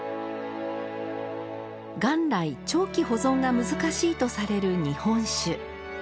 元来長期保存が難しいとされる日本酒。